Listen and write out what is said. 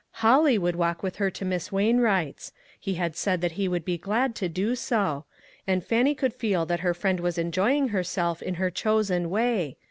Holly would walk with her to Miss Wain Wright's; he had said that he would be glad to do so; and Fannie could feel that her friend was enjoying herself ,in her chosen way.